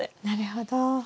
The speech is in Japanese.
なるほど。